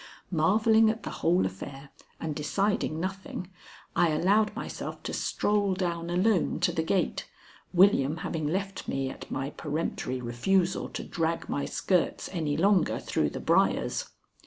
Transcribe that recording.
Marvelling at the whole affair and deciding nothing, I allowed myself to stroll down alone to the gate, William having left me at my peremptory refusal to drag my skirts any longer through the briers.